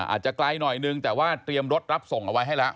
อาจจะไกลหน่อยนึงแต่ว่าเตรียมรถรับส่งเอาไว้ให้แล้ว